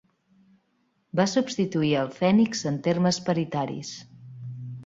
Va substituir el fènix en termes paritaris.